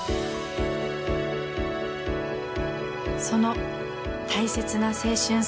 その大切な青春